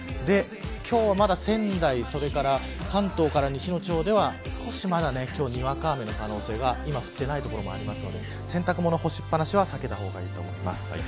今日はまだ仙台、それから関東から西の地方では少しにわか雨の可能性が今降っていない所もありますので洗濯物の干しっぱなしは避けた方がいいと思います。